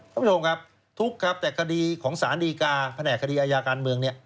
คุณผู้ชมครับทุกข์ครับแต่คดีของสารดีกาแผนกคดีอายาการเมืองเนี่ย